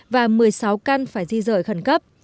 và một mươi sáu căn phải di rời khẩn cấp